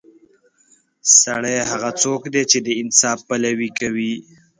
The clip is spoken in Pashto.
سړی هغه څوک دی چې د انصاف پلوي کوي.